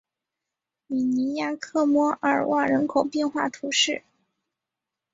米尼亚克莫尔旺人口变化图示